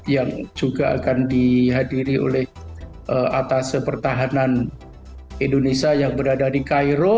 yang juga akan dihadiri oleh atas pertahanan indonesia yang berada di cairo